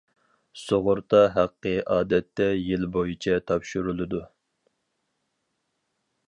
سۇغۇرتا ھەققى ئادەتتە يىل بويىچە تاپشۇرۇلىدۇ.